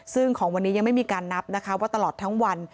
ซึ่งของวันนี้ยังไม่มีการนับนะคะว่าตลอดทั้งวัน